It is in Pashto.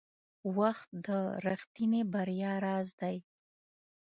• وخت د رښتیني بریا راز دی.